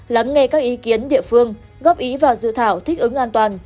lắng nghe các ý kiến địa phương góp ý vào dự thảo thích ứng an toàn